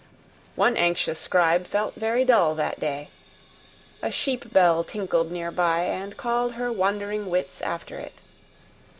One anxious scribe felt very dull that day; a sheep bell tinkled near by, and called her wandering wits after it.